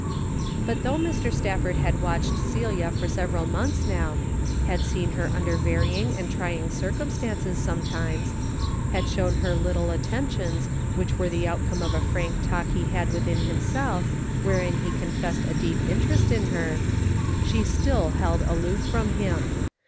But though Mr. Stafford had watched Celia for several months now, had seen her under 306 A DAILY RATE:^ varying and trying circumstances sometimes ; had shown her little attentions, which were the outcome of a frank talk he had within himself, wherein he confessed a deep interest in her, she still held aloof from him.